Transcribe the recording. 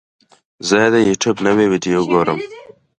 زه د یوټیوب نوې ویډیو ګورم.